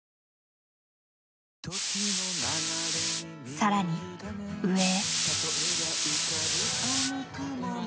更に上へ。